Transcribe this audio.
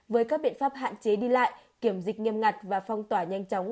với các biện pháp hạn chế đi lại kiểm dịch nghiêm ngặt và phong tỏa nhanh chóng